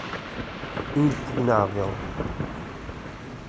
impugnável